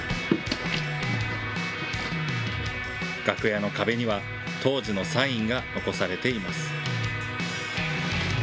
楽屋の壁には当時のサインが残されています。